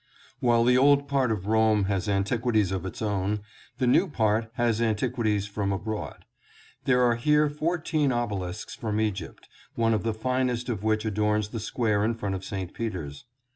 While the old part of Rome has antiquities of its own, the new part has antiquities from abroad. There are here fourteen obelisks from Egypt, one of the finest of which adorns the square in front of St. Peter's.